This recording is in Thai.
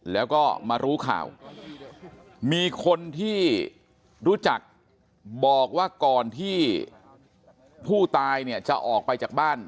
แล้วก็มารู้ข่าวมีคนที่รู้จักบอกว่าก่อนที่ผู้ตายเนี่ยจะออกไปจากบ้าน